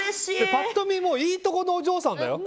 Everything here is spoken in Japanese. パッと見いいとこのお嬢さんだよ。